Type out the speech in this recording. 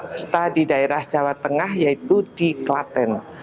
serta di daerah jawa tengah yaitu di klaten